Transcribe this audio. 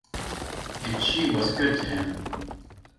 And she was good to him.